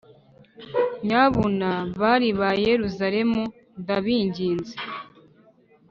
Nyabuna, bari ba Yeruzalemu, ndabinginze,